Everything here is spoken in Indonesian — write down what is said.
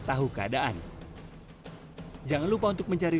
tahu keadaan jangan lupa untuk mencari